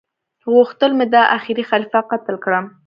غوښتل مي دا اخيري خليفه قتل کړم